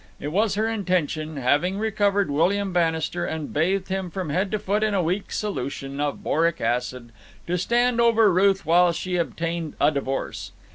It was her intention, having recovered William Bannister and bathed him from head to foot in a weak solution of boric acid, to stand over Ruth while she obtained a divorce.